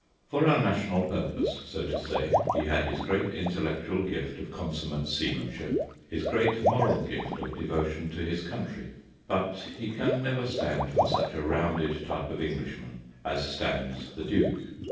For our national purpose, so to say, he had his great intellectual gift of consummate seamanship, his great moral gift of devotion to his country, but he can never stand for such a rounded type of Englishman as stands the Duke.